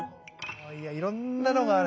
いやいろんなのがある。